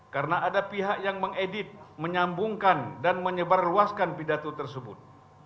karena ada pihak yang mengedit menyambungkan dan menyebarluaskan pidato tersebut